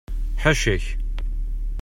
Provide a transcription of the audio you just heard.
Ḥaca-k!